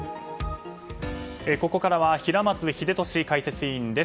ここからは平松秀敏解説委員です。